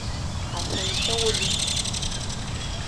Asincewolu.